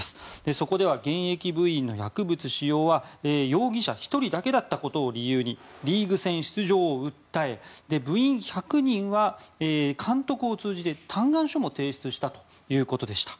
そこでは現役部員の薬物使用は容疑者１人だけだったことを理由にリーグ戦出場を訴え部員１００人は監督を通じて嘆願書も提出したということでした。